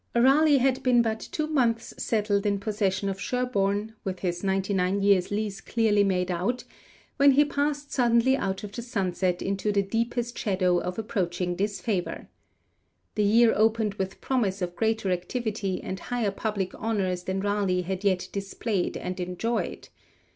Raleigh had been but two months settled in possession of Sherborne, with his ninety nine years' lease clearly made out, when he passed suddenly out of the sunlight into the deepest shadow of approaching disfavour. The year opened with promise of greater activity and higher public honours than Raleigh had yet displayed and enjoyed.